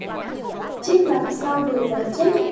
chết làm sao được mà chết